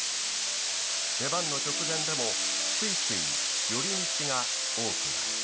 出番の直前でもついつい寄り道が多くなる。